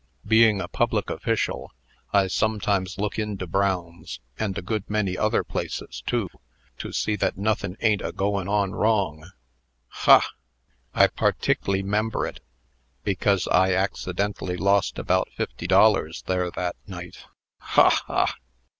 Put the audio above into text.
Being a public officer, I sometimes look into Brown's, and a good many other places, too, to see that nothin' a'n't a goin' on wrong. Ha! I partickly 'member it, because I accidentally lost about fifty dollars there that night. Ha! ha!"